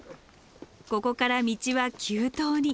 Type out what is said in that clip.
ここから道は急登に。